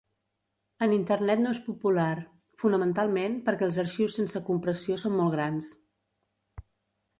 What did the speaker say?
En Internet no és popular, fonamentalment perquè els arxius sense compressió són molt grans.